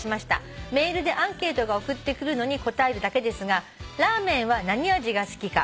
「メールでアンケートが送ってくるのに答えるだけですが『ラーメンは何味が好きか？』